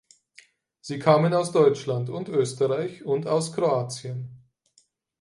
Sie kamen aus Deutschland und Österreich und aus Kroatien.